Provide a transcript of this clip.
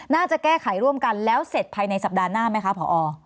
น่าจะแก้ไขร่วมกันแล้วเสร็จภายในสัปดาห์หน้าไหมคะผอ